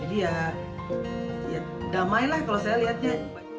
jadi ya ya damai lah kalau saya lihatnya